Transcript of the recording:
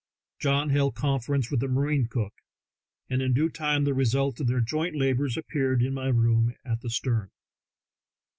John held con ference with the marine cook, and in due time the result of their joint labors appeared in my room at the stern.